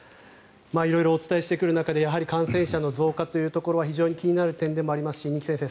色々お伝えしてくる中で感染者の増加というのは非常に気になる点でもありますし二木先生